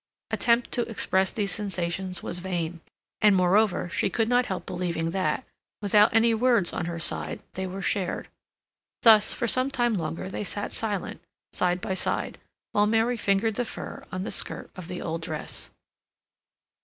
Attempt to express these sensations was vain, and, moreover, she could not help believing that, without any words on her side, they were shared. Thus for some time longer they sat silent, side by side, while Mary fingered the fur on the skirt of the old dress.